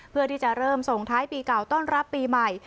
เพื่อที่จะเริ่มส่งท้ายปีเก่าต้อนรับปีใหม่